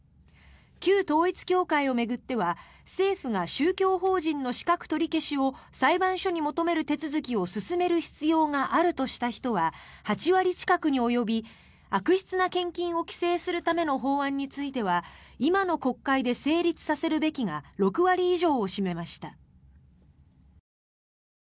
旧統一教会を巡っては政府が宗教法人の資格取り消しを裁判所に求める手続きを進める必要があるとした人は８割近くに及び悪質な献金を規制するための法案について今の国会で成立させるべきが６割以上を占めました。